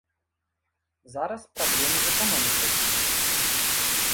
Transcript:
Зараз праблемы з эканомікай.